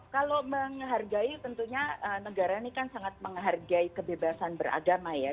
kalau menghargai tentunya negara ini kan sangat menghargai kebebasan beragama ya